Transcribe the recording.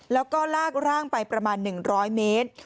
แล้วก็ลากร่างไปประมาณ๑๐๐เมตร